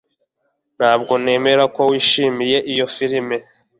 Ntabwo nemera ko wishimiye iyo firime